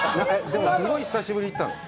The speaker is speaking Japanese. でも、すごい久しぶりに行ったの？